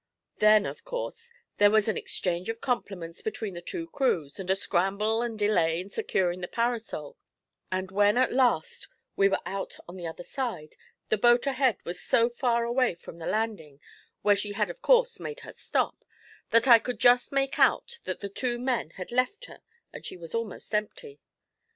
Then, of course, there was an exchange of compliments between the two crews, and a scramble and delay in securing the parasol: and when at last we were out on the other side the boat ahead was so far away from the landing, where she had of course made her stop, that I could just make out that the two men had left her and she was almost empty.